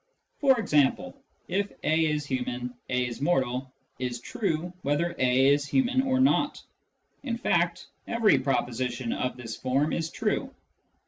For example, " if a is human, a is mortal " is true whether a is human or not ; in fact, every proposition of this form is true.